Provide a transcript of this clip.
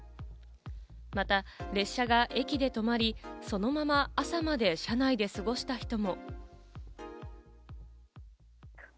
また列車が駅で止まり、そのまま朝まで車内で過ごした人も。